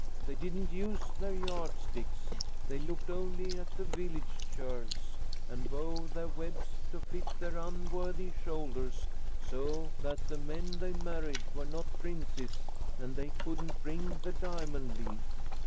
They didn't use their yardsticks. They looked only at the 'village churls,' and wove their webs to fit their unworthy shoulders, so that the men they married were not princes, and they couldn't bring the diamond leaf."